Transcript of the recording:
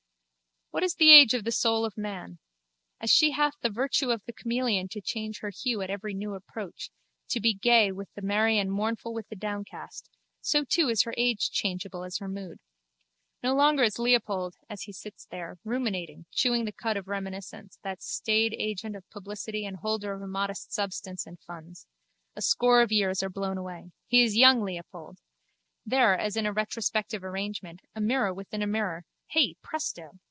What is the age of the soul of man? As she hath the virtue of the chameleon to change her hue at every new approach, to be gay with the merry and mournful with the downcast, so too is her age changeable as her mood. No longer is Leopold, as he sits there, ruminating, chewing the cud of reminiscence, that staid agent of publicity and holder of a modest substance in the funds. A score of years are blown away. He is young Leopold. There, as in a retrospective arrangement, a mirror within a mirror (hey, presto!)